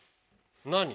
何？